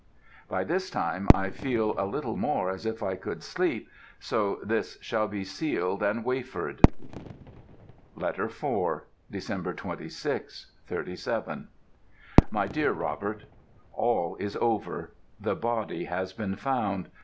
By this time, I feel a little more as if I could sleep, so this shall be sealed and wafered. LETTER IV Dec. 26, '37. MY DEAR ROBERT, All is over. The body has been found.